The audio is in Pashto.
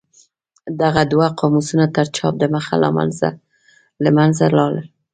دغه دوه قاموسونه تر چاپ د مخه له منځه لاړل.